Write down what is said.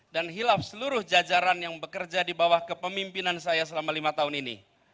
dan hilaf seluruh jajaran yang bekerja di bawah kepemimpinan saya selama lima tahun ini